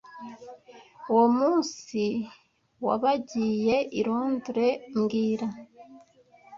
Uwo munsi wbagiyei Londres mbwira